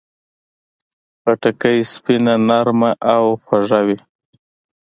خټکی سپینه، نرمه او خوږه وي.